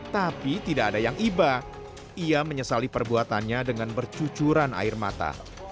tapi tidak ada yang iba ia menyesali perbuatannya dengan bercucuran air mata